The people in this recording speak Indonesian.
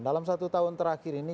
dalam satu tahun terakhir ini